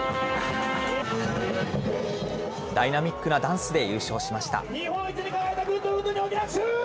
ダイナミックなダンスで優勝しました。